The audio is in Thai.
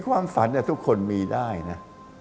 ความฝันทุกคนมีได้นะ